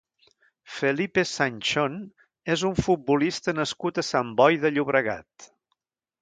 Felipe Sanchón és un futbolista nascut a Sant Boi de Llobregat.